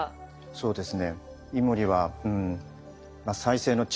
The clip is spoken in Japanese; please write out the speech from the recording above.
そうです。